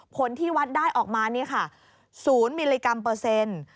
ผลที่วัดได้ออกมานี่ค่ะ๐มิลลิกรัมเปอร์เซ็นต์